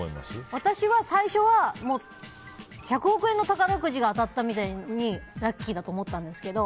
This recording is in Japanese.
私は最初は１００億円の宝くじが当たったみたいに私がラッキーだと思ったんですけど。